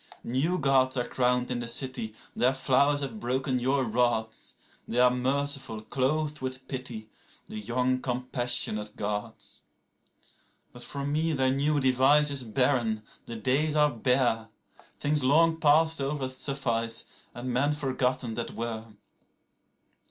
15New Gods are crowned in the city; their flowers have broken your rods;16They are merciful, clothed with pity, the young compassionate Gods.17But for me their new device is barren, the days are bare;18Things long past over suffice, and men forgotten that were.